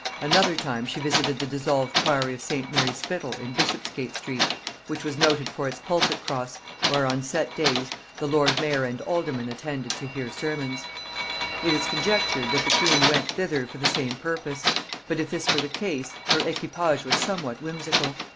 Another time she visited the dissolved priory of St. Mary Spittle in Bishopsgate street, which was noted for its pulpit cross, where, on set days, the lord mayor and aldermen attended to hear sermons. It is conjectured that the queen went thither for the same purpose; but if this were the case, her equipage was somewhat whimsical.